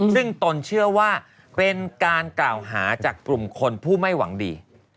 ซึ่งตนเชื่อว่าเป็นการกล่าวหาจากกลุ่มคนผู้ไม่หวังดี